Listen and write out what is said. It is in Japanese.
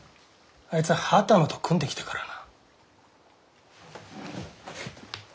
あいつは波多野と組んできたからな。